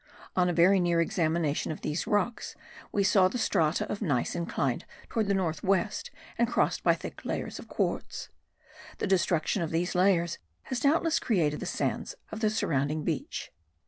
On a very near examination of these rocks we saw the strata of gneiss inclined towards the north west and crossed by thick layers of quartz. The destruction of these layers has doubtless created the sands of the surrounding beach.